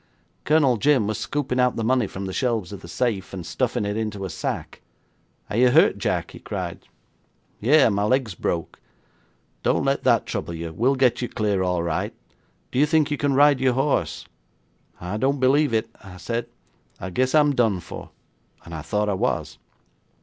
Colonel Jim was scooping out the money from the shelves of the safe, and stuffing it into a sack. '"Are you hurt, Jack?" he cried. '"Yes, my leg's broke." '"Don't let that trouble you; we'll get you clear all right. Do you think you can ride your horse?" '"I don't believe it," said I. "I guess I'm done for," and I thought I was.